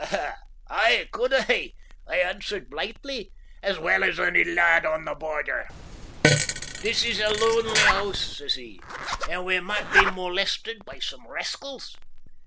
"Aye, could I," I answered blithely, "as well as ony lad on the Border." "This is a lonely hoose," says he, "and we might be molested by some rascals.